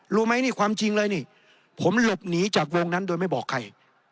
รู้ไหมนี่ความจริงเลยนี่ผมหลบหนีจากวงนั้นโดยไม่บอกใคร